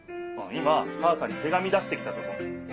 今母さんに手紙出してきたとこ。